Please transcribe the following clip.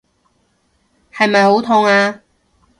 係咪好痛啊？